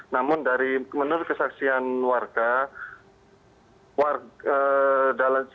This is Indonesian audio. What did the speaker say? namun dari menurut kesaksian warga